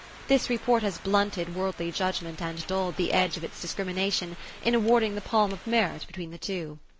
This report has blunted worldly judgment, and dulled the edge of its discrimination, in awarding the palm of merit between the two.